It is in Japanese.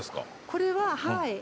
これははい。